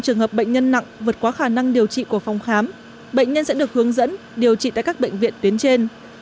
trường hợp bệnh nhân nặng vượt qua khả năng điều trị của phòng khám bệnh nhân sẽ được hướng dẫn điều trị tại các bệnh viện tuyến trên